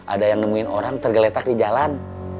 ada yang nemuin orang tergeletak di jalan